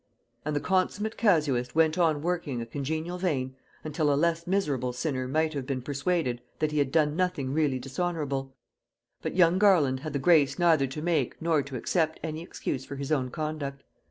And the consummate casuist went on working a congenial vein until a less miserable sinner might have been persuaded that he had done nothing really dishonourable; but young Garland had the grace neither to make nor to accept any excuse for his own conduct.